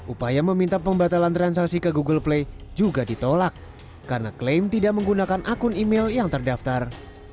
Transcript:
upaya meminta pembatalan transaksi ke google play juga ditolak karena klaim tidak menggunakan akun email yang terdaftar